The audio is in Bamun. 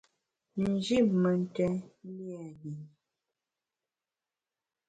Nji mentèn lia nyinyi.